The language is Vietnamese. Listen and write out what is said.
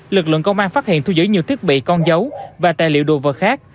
lực lượng công an phát hiện thu giữ nhiều thiết bị con dấu và tài liệu đồ vật khác